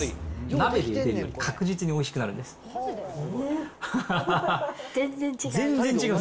鍋でゆでるより確実においしくな全然違う。